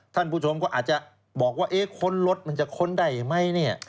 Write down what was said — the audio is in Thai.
ท่านผู้ชมก็อาจจะบอกว่าเอ๊ะค้นรถมันจะค้นได้ไหมเนี่ย